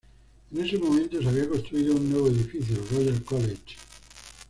En ese momento, se había construido un nuevo edificio el "Royal College".